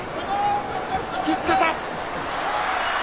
引きつけた。